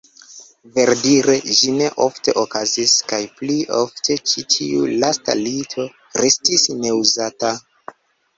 Verdire, ĝi ne ofte okazis, kaj pli ofte ĉi tiu lasta lito restis neuzata.